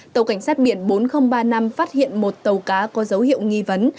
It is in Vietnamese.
tàu cảnh sát biển bốn nghìn ba mươi năm phát hiện một tàu cá có dấu hiệu nghi vấn